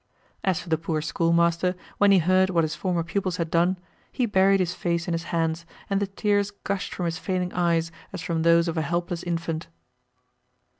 As for the poor schoolmaster, when he heard what his former pupils had done, he buried his face in his hands, and the tears gushed from his failing eyes as from those of a helpless infant.